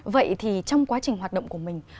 vậy thì trong quá trình hoạt động của mình